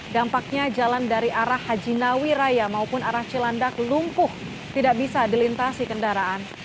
dampaknya jalan dari arah hajinawi raya maupun arah cilandak lumpuh tidak bisa dilintasi kendaraan